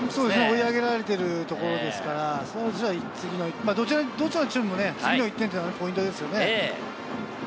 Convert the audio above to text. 追い上げられているところですから、どっちのチームも次の１点がポイントですよね。